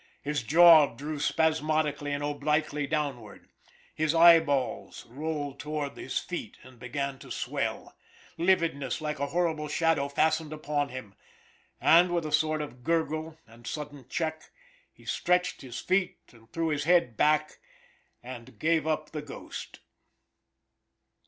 His jaw drew spasmodically and obliquely downward; his eyeballs rolled to ward his feet, and began to swell; lividness, like a horrible shadow, fastened upon him, and, with a sort of gurgle and sudden check, he stretched his feet and threw his head back and gave up the ghost.